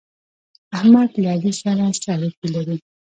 احمد له علي سره څه اړېکې لري؟